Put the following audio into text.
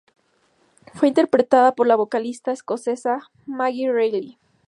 Fue interpretada por la vocalista escocesa Maggie Reilly.